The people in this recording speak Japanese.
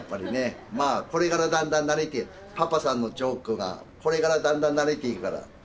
まあこれからだんだん慣れてパパさんのジョークがこれからだんだん慣れていくから。